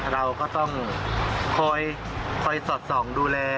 เราก็ต้องคอยสอดส่องดูแล